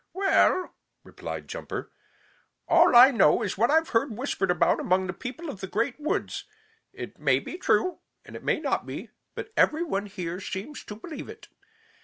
"Well," replied Jumper, "all I know is what I've heard whispered about among the people of the Great Woods. It may be true and it may not be, but every one seems to believe it.